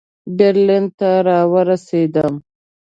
برلین ته را ورسېدم.